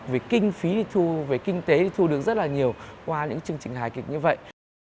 vì kinh phí đi thu về kinh tế đi thu được rất là nhiều qua những chương trình hài kịch như vậy